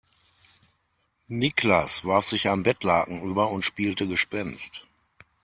Niklas warf sich ein Bettlaken über und spielte Gespenst.